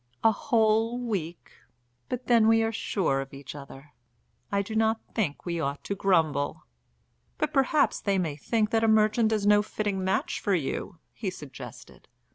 "A whole week! But then we are sure of each other. I do not think we ought to grumble." "But perhaps they may think that a merchant is no fitting match for you," he suggested.